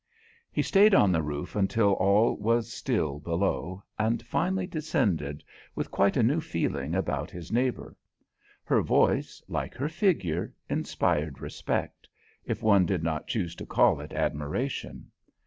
He stayed on the roof until all was still below, and finally descended, with quite a new feeling about his neighbour. Her voice, like her figure, inspired respect, if one did not choose to call it admiration.